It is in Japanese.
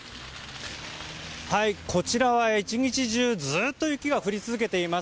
こちらは１日中ずっと雪が降り続けています。